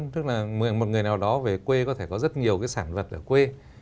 tức là một người nào đó về quê có thể có rất nhiều cái sản vật ở quê